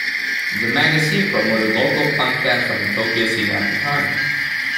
The magazine promoted local punk bands from the Tokyo scene at the time.